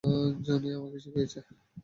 Johnny আমাকে শিখিয়েছে।